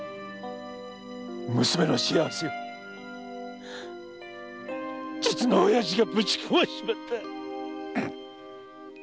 娘の幸せを実の親父がぶち壊しちまった！